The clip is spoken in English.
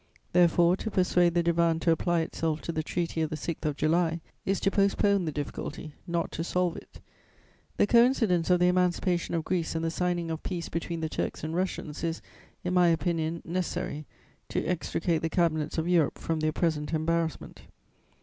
"Therefore, to persuade the Divan to apply itself to the Treaty of the 6th of July is to postpone the difficulty, not to solve it. The coincidence of the emancipation of Greece and the signing of peace between the Turks and Russians is, in my opinion, necessary to extricate the Cabinets of Europe from their present embarrassment.